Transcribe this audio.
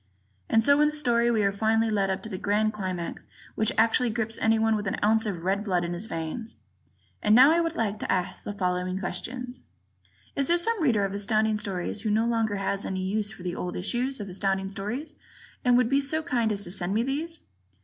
And so in the story we are finally led up to a grand climax which actually grips anyone with an ounce of red blood in his veins. And now I would like to ask the following questions: Is there some Reader of Astounding Stories who no longer has any use for the old issues of Astounding Stories and would be so kind as to send me these?